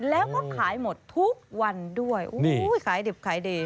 แล้วก็ขายหมดทุกวันด้วยโอ้โหขายดิบขายดี